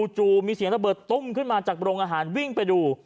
มีเสียงระเบิดตุ้มขึ้นมาจากโรงอาหารวิ่งไปดู